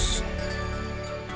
ini adalah uriran perkataan pertama